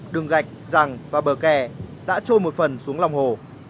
đường gạch rẳng và bờ kè đã trôi một phần xuống lòng hồ